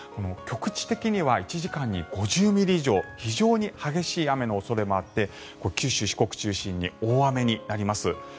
局地的には１時間に５０ミリ以上非常に激しい雨の恐れもあって九州、四国中心に大雨になります